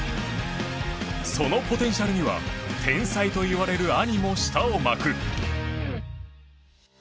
そのポテンシャルには天才といわれる兄も舌を巻く。